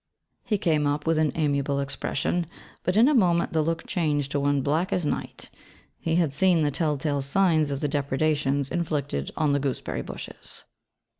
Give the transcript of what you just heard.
He came up with an amiable expression: but in a moment the look changed to one black as night: he had seen the tell tale signs of the depredations inflicted on the gooseberry bushes.